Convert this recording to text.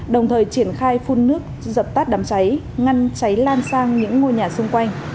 đồng thời triển khai phun nước dập tắt đám cháy ngăn cháy lan sang những ngôi nhà xung quanh